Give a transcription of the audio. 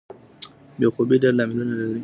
بې خوبۍ ډیر لاملونه لري.